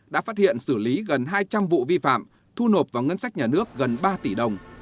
đã phát hiện xử lý gần hai trăm linh vụ vi phạm thu nộp vào ngân sách nhà nước gần ba tỷ đồng